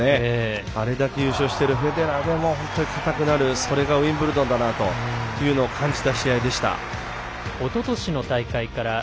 あれだけ優勝しているフェデラーでも硬くなるそれがウィンブルドンだなと感じた試合でした。